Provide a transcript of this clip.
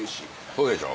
そうでしょ？